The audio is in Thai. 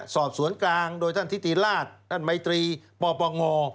สอบสวนกลางโดยท่านทิติราชท่านมัยตรีปปง